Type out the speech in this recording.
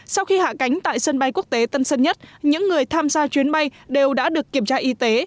sau khi hạ cánh tại sân bay quốc tế tân sơn nhất những người tham gia chuyến bay đều đã được kiểm tra y tế